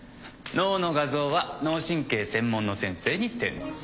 脳の画像は脳神経専門の先生に転送。